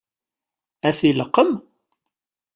Ad t-ileqqem?